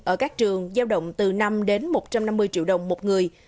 ở các trường giao động từ năm đến một trăm năm mươi triệu đồng một người